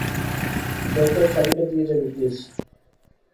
দরজার চাবিটা দিয়ে যাবি প্লিজ।